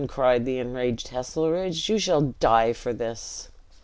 cried the enraged Heselrigge, "you shall die for this!"